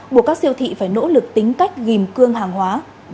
buộc các siêu thị phải nỗ lực tính cách gìm cương hàng hóa